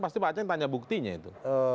pasti pak aceh tanya buktinya itu